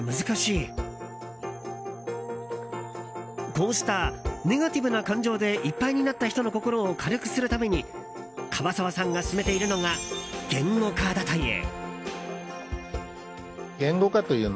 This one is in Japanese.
こうしたネガティブな感情でいっぱいになった人の心を軽くするために、樺沢さんが勧めているのが言語化だという。